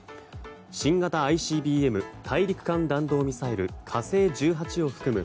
新型ＩＣＢＭ・大陸間弾道ミサイル「火星１８」を含む